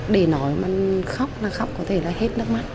để nói mà khóc là khóc có thể là hết nước mắt